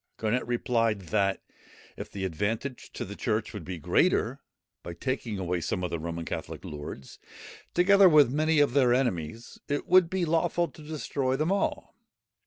Garnet replied, that, if the advantage to the church would be greater, by taking away some of the Roman Catholic lords, together with many of their enemies, it would be lawful to destroy them all.